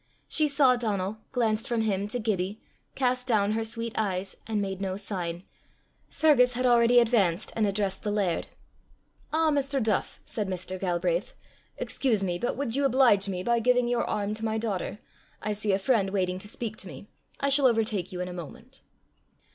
She saw Donal, glanced from him to Gibbie, cast down her sweet eyes, and made no sign. Fergus had already advanced and addressed the laird. "Ah, Mr. Duff!" said Mr. Galbraith; "excuse me, but would you oblige me by giving your arm to my daughter? I see a friend waiting to speak to me. I shall overtake you in a moment."